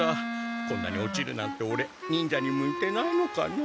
こんなに落ちるなんてオレ忍者に向いてないのかな。